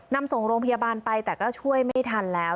นำส่งโรงพยาบาลไปแต่ก็ช่วยไม่ทันแล้ว